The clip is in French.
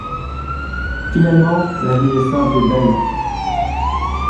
Finalement, la vie est simple et belle.